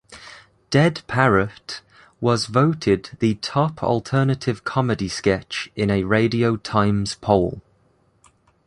"Dead Parrot" was voted the top alternative comedy sketch in a Radio Times poll.